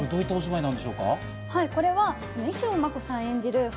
これは石野真子さん演じる